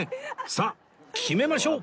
さあ決めましょう